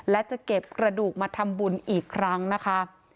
และจะเก็บกระดูกมาทำบุญอีกครั้งนะคะ